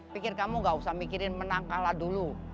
pikir kamu gak usah mikirin menang kalah dulu